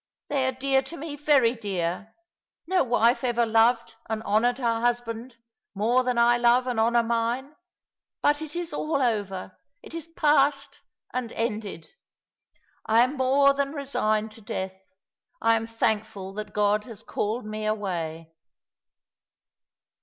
They are dear to me, very dear. No wife ever loved and honoured her husband more than I love and honour mine — but it is all over, it is past, and ended. I am more than resigned to death — I am thankful that God has called me away."